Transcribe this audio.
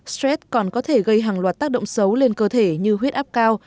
stress còn có thể gây hàng loạt tác động xấu lên cơ thể như huyết áp cao